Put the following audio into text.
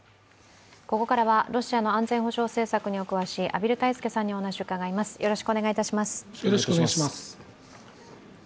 ここからはロシアの安全保障政策にお詳しい畔蒜泰助さんにお話を伺います。